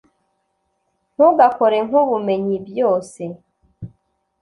Ntugakore nkubumenyi-byose.